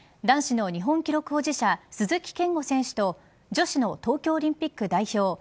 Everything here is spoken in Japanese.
男子の日本記録保持者鈴木健吾選手と女子の東京オリンピック代表